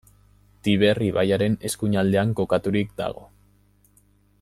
Tiber ibaiaren eskuinaldean kokaturik dago.